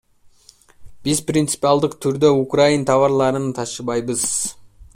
Биз принципиалдык түрдө украин товарларын ташыбайбыз.